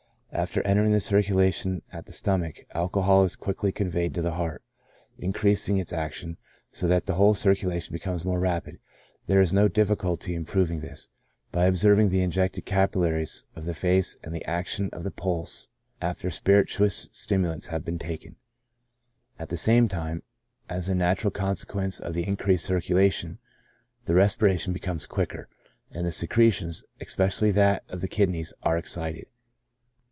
After entering the circulation at the stomach, alcohol is. quickly conveyed to the heart, increasing Its action, so that the whole circulation becomes more rapid. There is no difficulty In proving this, by observing the injected capilla ries of the face and the action of the pulse after spirituous stimulants have been taken ; at the same time, as a natural consequence of the Increased circulation, the respiration becomes quicker, and the secretions, especially that of the kidneys, are excited.